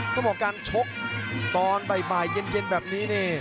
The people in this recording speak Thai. ก็บอกการชกตอนบ่ายบ่ายเย็นแบบนี้นี่